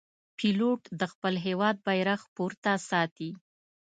پیلوټ د خپل هېواد بیرغ پورته ساتي.